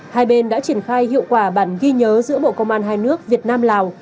hai bên đã triển khai hiệu quả bản ghi nhớ giữa bộ công an hai nước việt nam lào